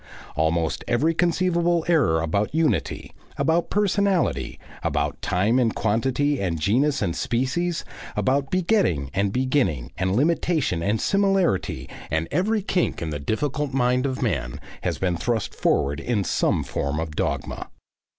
Almost every conceivable error about unity, about personality, about time and quantity and genus and species, about begetting and beginning and limitation and similarity and every kink in the difficult mind of man, has been thrust forward in some form of dogma.